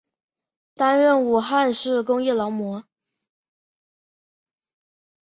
担任武汉市工业劳模。